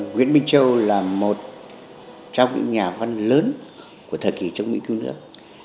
nguyễn minh châu là một trong những nhà văn lớn của thời kỳ chống mỹ cứu nước